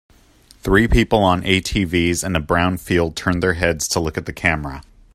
Three people on ATVs in a brown field turn their heads to look at the camera.